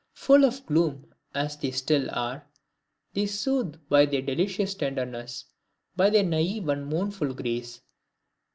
Full of gloom as they still are, they soothe by their delicious tenderness, by their naive and mournful grace.